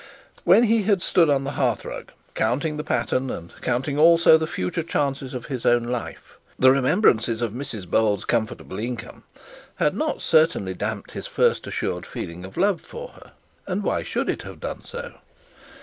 When he had stood on the hearth rug, counting the pattern, and counting also the future chances of his own life, the remembrances of Mrs Bold's comfortable income had not certainly damped his first assured feeling of love for her. And why should it have done so?